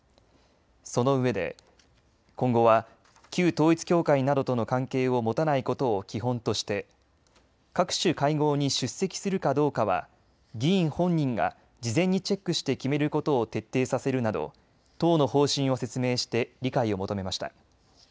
そのうえで、今後は旧統一教会などとの関係を持たないことを基本として、各種会合に出席するかどうかは議員本人が事前にチェックして決めることを徹底させるなど党の方針を説明して理解を求めました。